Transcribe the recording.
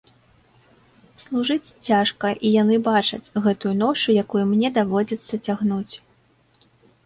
Служыць цяжка, і яны бачаць гэтую ношу, якую мне даводзіцца цягнуць.